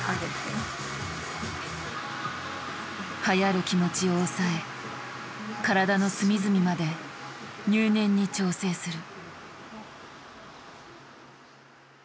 はやる気持ちを抑え体の隅々まで入念に調整する。